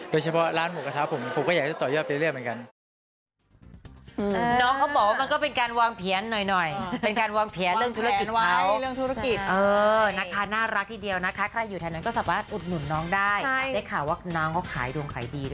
โดยเฉพาะร้านหมูกระทะผมก็อยากจะต่อยอดเรื่อยเหมือนกัน